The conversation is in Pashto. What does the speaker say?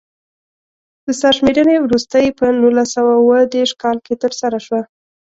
د سرشمېرنې وروستۍ په نولس سوه اووه دېرش کال کې ترسره شوه.